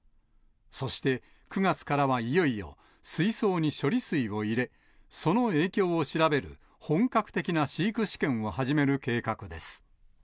そして、９月からはいよいよ水槽に処理水を入れ、その影響を調べる本格的な飼育試験を始める計画です。